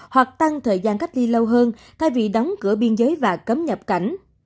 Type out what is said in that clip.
hoặc tăng thời gian cách ly lâu hơn thay vì đóng cửa biên giới và cấm nhập cảnh